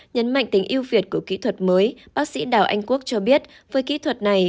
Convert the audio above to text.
nhấn mạnh tính yêu việt của kỹ thuật mới bác sĩ đào anh quốc cho biết với kỹ thuật này